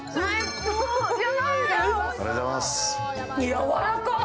やわらかっ。